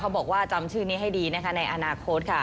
เขาบอกว่าจำชื่อนี้ให้ดีในอนาคตค่ะ